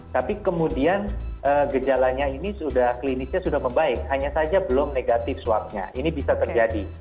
tapi kemudian gejalanya ini sudah klinisnya sudah membaik hanya saja belum negatif swabnya ini bisa terjadi